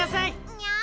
にゃ？